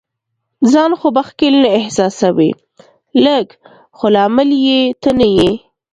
ځان خو به ښکیل نه احساسوې؟ لږ، خو لامل یې ته نه یې.